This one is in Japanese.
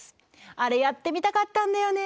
あれやってみたかったんだよね。